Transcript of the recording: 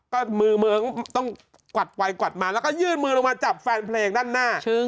ก็มือเมืองต้องกวัดไปกวัดมาแล้วก็ยื่นมือลงมาจับแฟนเพลงด้านหน้า